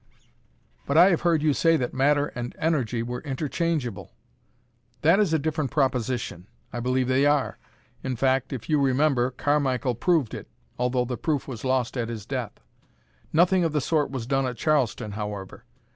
"But I have heard you say that matter and energy were interchangeable." "That is a different proposition. I believe they are. In fact, if you remember, Carmichael proved it, although the proof was lost at his death. Nothing of the sort was done at Charleston, however.